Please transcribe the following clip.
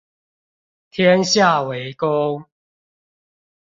天下為公